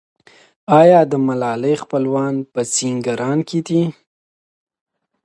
آیا د ملالۍ خپلوان په سینګران کې دي؟